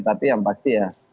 tapi yang pasti ya